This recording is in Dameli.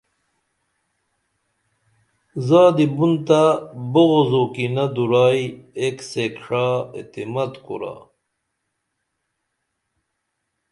زادی بُن تہ بغض او کِنہ دورائی ایک سیک ݜا اعتماد کُرا